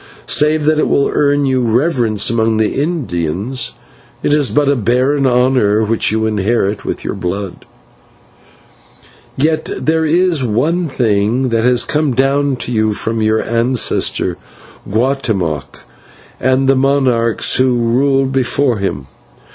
Save that it will earn you reverence among the Indians, it is but a barren honour which you inherit with your blood. "Yet there is one thing that has come down to you from your ancestor, Guatemoc, and the monarchs who ruled before him.